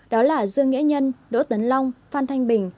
đó là dương nghĩa nhân đỗ tấn long phan thanh bình